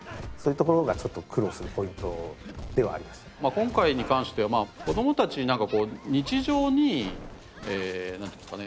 今回に関しては子どもたちになんかこう日常になんていうんですかね